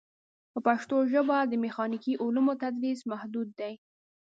په پښتو ژبه د میخانیکي علومو تدریس محدود دی.